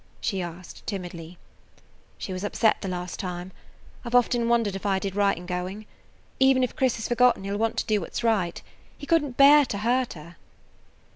she asked timidly. "She was upset the last time. I 've often wondered if I did right in going. Even if Chris has forgotten, he 'll want to do what 's right. He couldn't bear to hurt her."